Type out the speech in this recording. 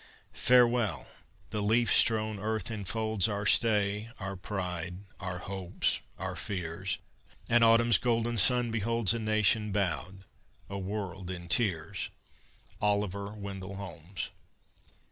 Farewell! the leaf strown earth enfolds Our stay, our pride, our hopes, our fears, And autumn's golden sun beholds A nation bowed, a world in tears. OLIVER WENDELL HOLMES.